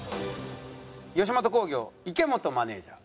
吉本興業池本マネジャー。